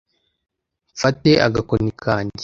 Mfate agakoni kanjye